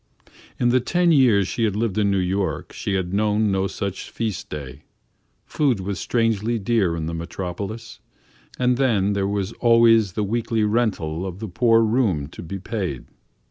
In the ten years she had lived in New York, she had known no such feast day. Food was strangely dear in the Metropolis, and then there was always the weekly rental of the poor room to be paid.